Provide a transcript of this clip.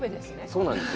そうなんです。